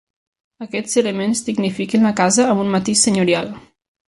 Aquests elements dignifiquen la casa amb un matís senyorial.